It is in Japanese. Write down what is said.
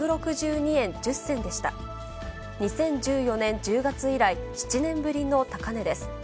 ２０１４年１０月以来、７年ぶりの高値です。